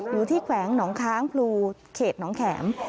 อยู่ที่แขวงหนองค้างปลูเขตหนองแข็ม